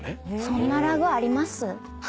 そんなラグあります？